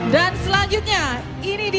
dan selanjutnya ini dia